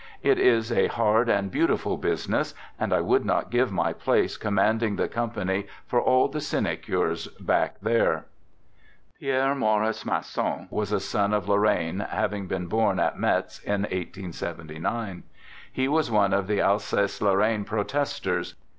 It is a hard and beautiful business, and I would not give my place commanding the com pany for all the sinecures back there." Pierre Maurice Masson was a son of Lorraine, having been born at Metz in 1879. He was one of 33 34 "THE GOOD SOLDIER the Alsace Lorraine " protesters."